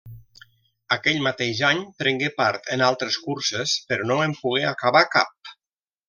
Aquell mateix any prengué part en altres curses, però no en pogué acabar cap.